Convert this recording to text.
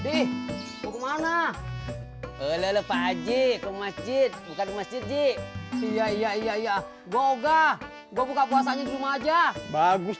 ih kemana oleh pak haji ke masjid bukan masih di iya iya iya gua buka puasanya cuma aja bagus